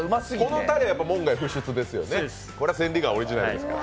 このたれ、門外不出ですよねこれ千里眼オリジナルですから。